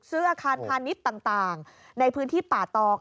อาคารพาณิชย์ต่างในพื้นที่ป่าตอง